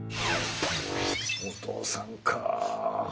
お父さんか。